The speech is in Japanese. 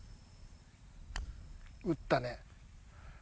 打ったね。